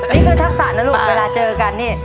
นี่คือทักษะนะลูกเวลาเจอกันนี่